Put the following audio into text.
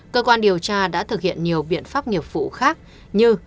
cơ quan điều tra đã thực hiện nhiều biện pháp nghiệp vụ khác như